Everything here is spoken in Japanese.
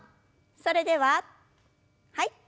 それでははい。